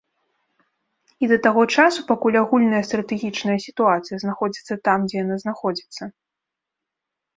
І да таго часу, пакуль агульная стратэгічная сітуацыя знаходзіцца там, дзе яна знаходзіцца.